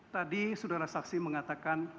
tadi sudara saksi mengatakan